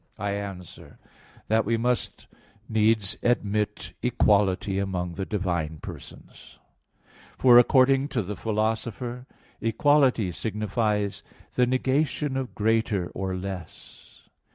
I answer that, We must needs admit equality among the divine persons. For, according to the Philosopher (Metaph. x, text 15, 16, 17), equality signifies the negation of greater or less.